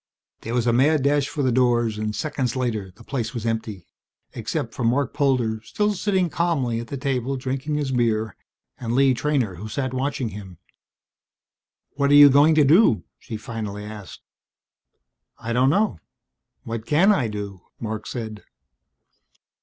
There was a mad rush for the doors and seconds later the place was empty except for Marc Polder, still sitting calmly at the table drinking his beer, and Lee Treynor who sat watching him. "What are you going to do?" she finally asked. "I don't know. What can I do?" Marc said.